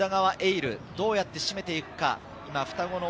琉、どうやって締めていくか。